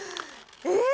えっ？